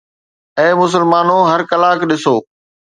اي مسلمانو! هر ڪلاڪ ڏسو